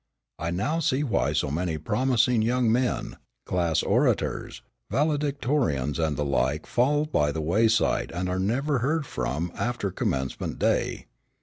I now see why so many promising young men, class orators, valedictorians and the like fall by the wayside and are never heard from after commencement day.